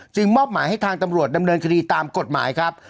มอบหมายให้ทางตำรวจดำเนินคดีตามกฎหมายครับ